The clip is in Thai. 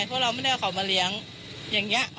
เพราะเราไม่ได้เอาเขามาเลี้ยงอย่างนี้